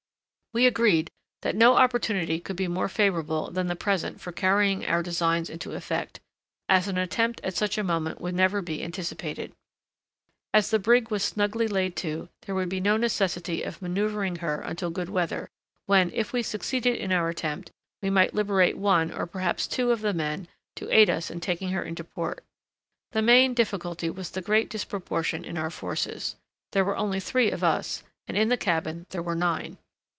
We agreed that no opportunity could be more favourable than the present for carrying our designs into effect, as an attempt at such a moment would never be anticipated. As the brig was snugly laid to, there would be no necessity of manoeuvring her until good weather, when, if we succeeded in our attempt, we might liberate one, or perhaps two of the men, to aid us in taking her into port. The main difficulty was the great disproportion in our forces. There were only three of us, and in the cabin there were nine.